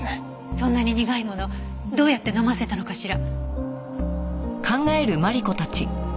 そんなに苦いものどうやって飲ませたのかしら？